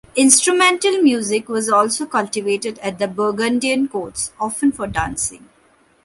Instrumental music was also cultivated at the Burgundian courts, often for dancing.